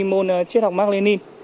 môn triết học mark lenin